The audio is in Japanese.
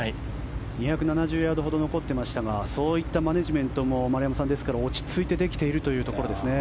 ２７０ヤードほど残っていましたがそういったマネジメントも落ち着いてできているということですね。